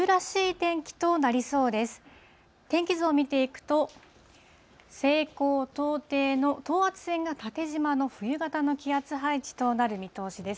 天気図を見ていくと、西高東低の等圧線が縦じまの冬型の気圧配置となる見通しです。